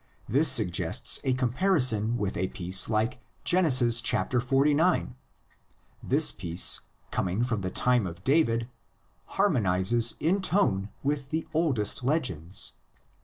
This suggests a com parison with a piece like Genesis xlix.: this piece, coming from the time of David, harmonises in tone with the oldest legends.